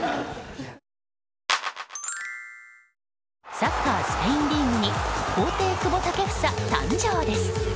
サッカー、スペインリーグに皇帝・久保建英誕生です。